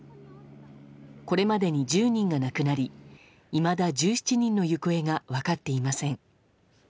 これまでに１０人が亡くなりいまだ１７人の行方が分かっていません。